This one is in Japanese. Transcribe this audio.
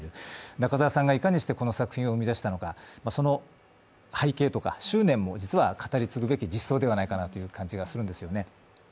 中沢さんがいかにしてこの作品を生み出したのかその背景とか執念も実は語り継ぐべき実相ではないかなという感じがするんですよね。